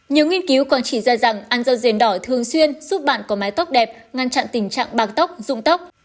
nhiều nghiên cứu còn chỉ ra rằng ăn rau rền đỏ thường xuyên giúp bạn có mái tóc đẹp ngăn chặn tình trạng bạc tóc rụng tóc